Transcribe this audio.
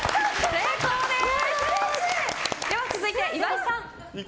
成功です！